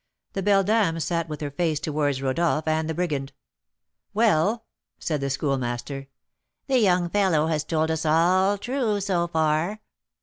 The beldam sat with her face towards Rodolph and the brigand. "Well?" said the Schoolmaster. "The young fellow has told us all true, so far."